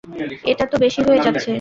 এটা তো বেশি হয়ে যাচ্ছে।